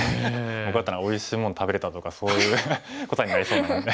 僕だったらおいしいもの食べれたとかそういうことになりそうなんで。